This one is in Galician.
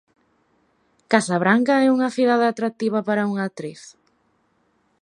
Casabranca é unha cidade atractiva para unha actriz?